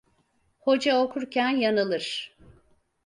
Hoca okurken yanılır.